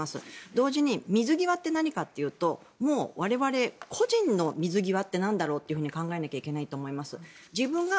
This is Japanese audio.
同時に水際って何かというともう我々個人の水際ってなんだろうって考えなきゃいけないと思います。